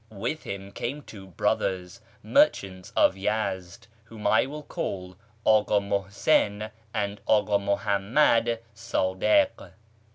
With him came two brothers, merchants of Yezd, whom I will call Aka Muhsin and Aka Muhammad Sadik.